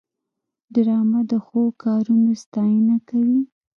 ډرامه د ښو کارونو ستاینه کوي